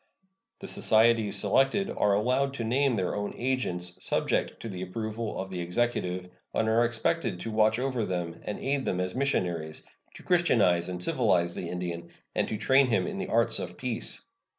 The societies selected are allowed to name their own agents, subject to the approval of the Executive, and are expected to watch over them and aid them as missionaries, to Christianize and civilize the Indian, and to train him in the arts of peace.